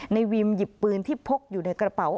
ในวิมหยิบปืนที่พกอยู่ในกระเป๋า